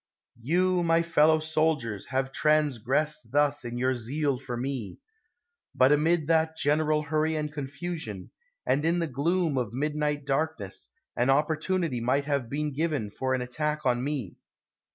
You, my fellow soldiers, have transgressed thus in your zeal for me. But amid that general hurry and confusion, and in the gloom of mid niorht darkness, an opportunity might have been given for an attack on me.